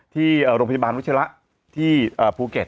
ที่โรงพยาบาลวัชระที่ภูเก็ต